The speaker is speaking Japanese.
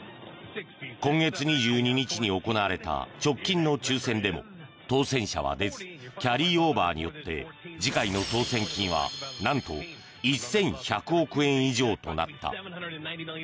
今月２２日に行われた直近の抽選でも当選者は出ずキャリーオーバーによって次回の当選金は、なんと１１００億円以上となった。